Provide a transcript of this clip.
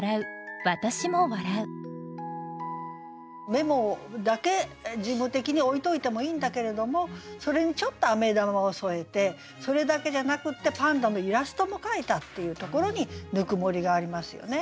メモだけ事務的に置いといてもいいんだけれどもそれにちょっとアメ玉を添えてそれだけじゃなくてパンダのイラストも描いたっていうところにぬくもりがありますよね。